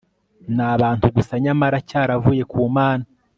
nabantu gusa nyamara cyaravuye ku Mana